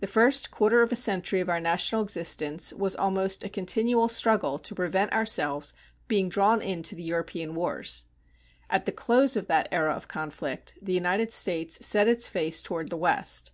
The first quarter of a century of our national existence was almost a continual struggle to prevent ourselves being drawn into the European wars. At the close of that era of conflict, the United States set its face toward the West.